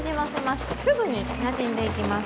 すぐになじんでいきます。